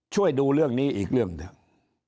ช่วยดูเรื่องนี้อีกเรื่องหนึ่ง